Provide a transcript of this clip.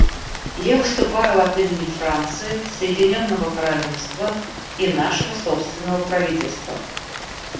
Я выступаю от имени Франции, Соединенного Королевства и нашего собственного правительства.